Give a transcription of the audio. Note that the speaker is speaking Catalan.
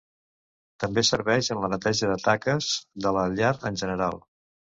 També serveix en la neteja de taques de la llar en general.